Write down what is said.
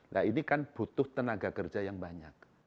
nah ini kan butuh tenaga kerja yang banyak